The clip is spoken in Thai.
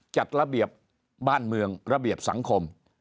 จัดระเบียบบ้านเมืองระเบียบสังคม